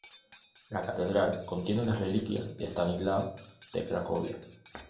La Catedral contiene las reliquias de Estanislao de Cracovia.